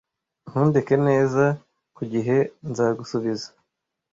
ntundeke neza ku gihe nzagusubiza